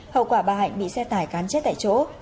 hậu quả bà hạnh bị xe tải cán chết tại chỗ